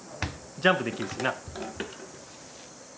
ジャンプできるしな。